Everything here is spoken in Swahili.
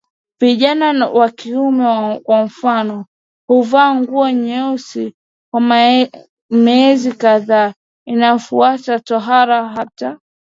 Vijana wa kiume kwa mfano huvaa nguo nyeusi kwa miezi kadhaa inayofuata tohara Hata